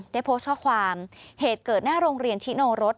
ได้โพสต์ข้อความเหตุเกิดหน้าโรงเรียนชิโนรส